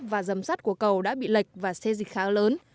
và dầm sắt của cầu đã bị lệch và xe dịch khá lớn